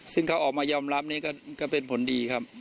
ซึ่งเขาออกมายอมรับนี้ก็เป็นผลดีครับ